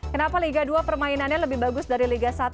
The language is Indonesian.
kenapa liga dua permainannya lebih bagus dari liga satu